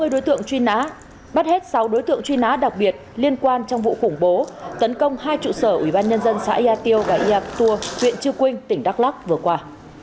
sáu mươi đối tượng truy nã bắt hết sáu đối tượng truy nã đặc biệt liên quan trong vụ khủng bố tấn công hai trụ sở ubnd xã yatio và yaktur huyện chư quynh tỉnh đắk lắc vừa qua